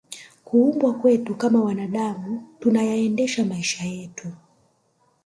kuubwa kwetu kama wanaadamu tunayaendesha maisha yetu